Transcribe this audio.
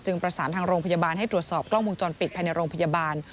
ประสานทางโรงพยาบาลให้ตรวจสอบกล้องวงจรปิดภายในโรงพยาบาล